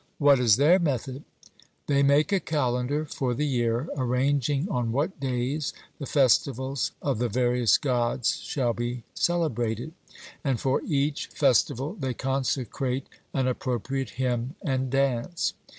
'What is their method?' They make a calendar for the year, arranging on what days the festivals of the various Gods shall be celebrated, and for each festival they consecrate an appropriate hymn and dance.